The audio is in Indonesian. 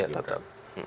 oh ya tetap